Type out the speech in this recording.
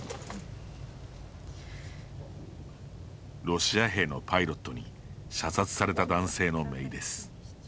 ロシア兵のパイロットに射殺された男性のめいです。